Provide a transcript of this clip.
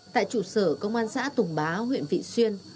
tại trụ sở công an xã tùng bá huyện vị xuyên